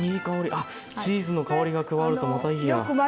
あっチーズの香りが加わるとまたいいや。